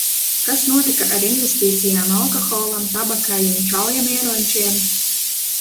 Kas notika ar investīcijām alkoholam, tabakai un šaujamieročiem?